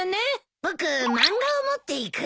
僕漫画を持っていくよ。